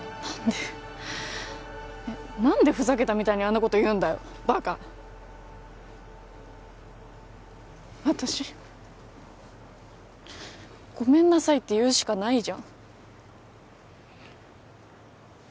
何でえっ何でふざけたみたいにあんなこと言うんだよバカ私ごめんなさいって言うしかないじゃん